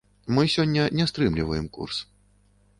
Мы сёння не стрымліваем курс.